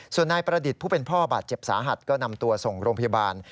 ส่วนนายประดิษฐ์ผู้เป็นพ่อบาดเจ็บสาหัสก็นำตัวส่งโรงพยาบาล